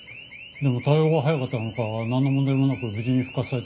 でも対応が早かったのか何の問題もなく無事に復活されてね。